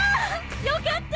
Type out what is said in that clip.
よかった！